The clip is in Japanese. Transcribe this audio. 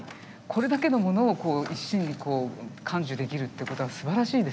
これだけのものをこう一身にこう感受できるってことはすばらしいですよね。